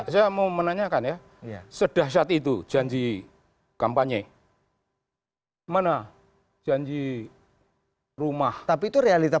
saya mau menanyakan ya sudah saat itu janji kampanye mana janji rumah tapi itu realita